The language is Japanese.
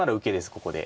ここで。